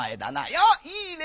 「よっいいね！